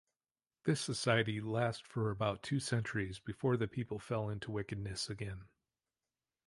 This society last for about two centuries before the people fell into wickedness again.